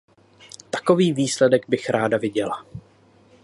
Takový výsledek bych ráda viděla.